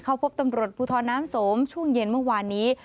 พบตำรวจภูทรน้ำสมช่วงเย็นเมื่อวานนี้